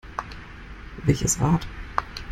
Welches Rad?